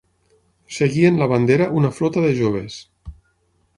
Seguien la bandera una flota de joves.